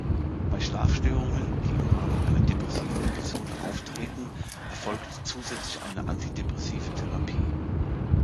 Bei Schlafstörungen, die im Rahmen einer depressiven Episode auftreten, erfolgt zusätzlich eine antidepressive Therapie.